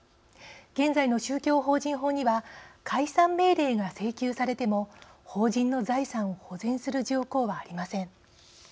現在の宗教法人法には解散命令が請求されても法人の財産を保全する条項はありません。